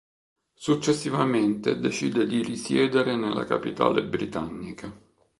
Successivamente decide di risiedere nella capitale britannica.